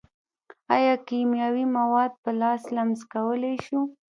ایا کیمیاوي مواد په لاس لمس کولی شو.